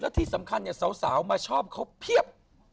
ที่สำคัญเนี่ยสาวมาชอบเขาเพียบ